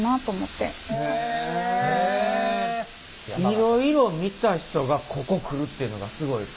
いろいろ見た人がここ来るっていうのがすごいですね。